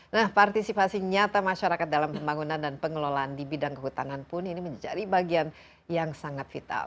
nah partisipasi nyata masyarakat dalam pembangunan dan pengelolaan di bidang kehutanan pun ini menjadi bagian yang sangat vital